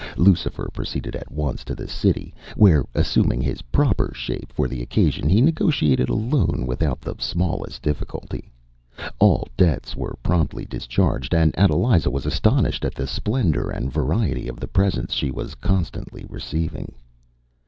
Lucifer proceeded at once to the City, where, assuming his proper shape for the occasion, he negotiated a loan without the smallest difficulty. All debts were promptly discharged, and Adeliza was astonished at the splendour and variety of the presents she was constantly receiving.